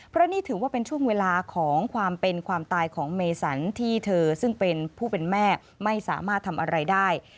เพราะนี่ถือว่าเป็นช่วงเวลาของความเป็นความตายของเมสันที่เธอซึ่งเป็นผู้เป็นแม่ไม่สามารถทำอะไรได้